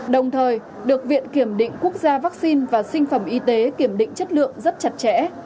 đồng thời được viện kiểm định quốc gia vaccine và sinh phẩm y tế kiểm định chất lượng rất chặt chẽ